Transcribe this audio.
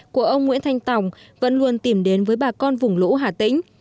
của ông nguyễn thanh tòng vẫn luôn tìm đến với bà con vùng lũ hà tĩnh